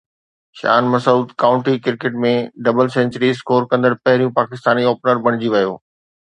شان Masood county cricket ۾ double century score ڪندڙ پهريون پاڪستاني اوپنر بڻجي ويو